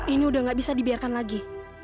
ini udah gak bisa dibiarkan lagi